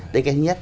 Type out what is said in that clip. đấy cái thứ nhất